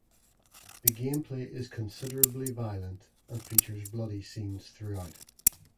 The gameplay is considerably violent and features bloody scenes throughout.